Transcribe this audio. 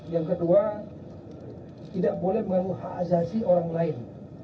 yang kedua tidak boleh mengganggu hak adat orang lain